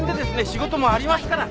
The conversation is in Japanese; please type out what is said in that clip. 仕事もありますから。